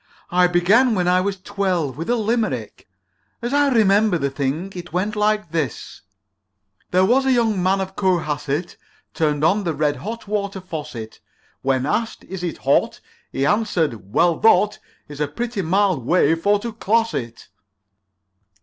"I began when I was twelve with a limerick. As I remember the thing, it went like this: "There was a young man of Cohasset Turned on the red hot water faucet. When asked: 'Is it hot?' He answered, 'Well, thot Is a pretty mild way for to class it.'"